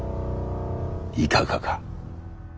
いかがか。